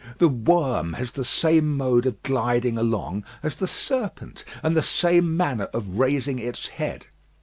The worm has the same mode of gliding along as the serpent, and the same manner of raising its head.